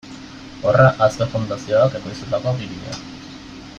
Horra Azkue Fundazioak ekoiztutako bi bideo.